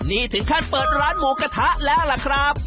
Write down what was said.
นี่ถึงขั้นเปิดร้านหมูกระทะแล้วล่ะครับ